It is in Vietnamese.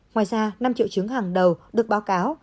ngoài ra năm triệu chứng hàng đầu được báo cáo